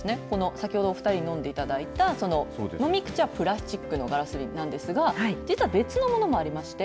先ほど２人に飲んでいただいた飲み口はプラスチックのガラス瓶なんですが実は別のものもありまして